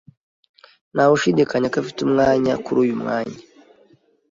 Ntawe ushidikanya ko afite umwanya kuri uyu mwanya.